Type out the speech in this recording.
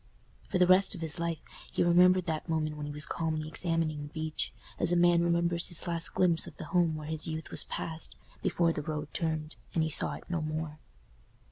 For the rest of his life he remembered that moment when he was calmly examining the beech, as a man remembers his last glimpse of the home where his youth was passed, before the road turned, and he saw it no more.